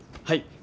はい。